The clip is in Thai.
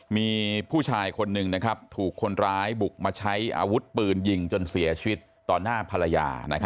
มีผู้ชายคนหนึ่งถูกคนร้ายบุกมาใช้อาวุธปืนยิงจนเสียชีวิตต่อหน้าภรรยา